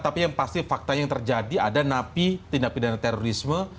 tapi yang pasti faktanya yang terjadi ada napi tindak pidana terorisme